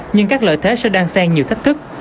nhưng các lợi thế sẽ đăng sen nhiều thách thức